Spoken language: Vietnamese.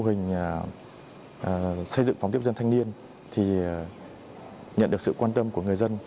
và xây dựng phòng tiếp dân thanh niên thì nhận được sự quan tâm của người dân